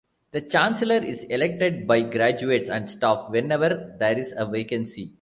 The chancellor is elected by graduates and staff whenever there is a vacancy.